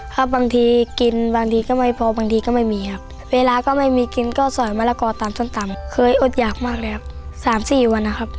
ครับบางทีกินบางทีก็ไม่พอบางทีก็ไม่มีครับเวลาก็ไม่มีกินก็สอยมะละกอตามส้มตำเคยอดหยากมากเลยครับสามสี่วันนะครับ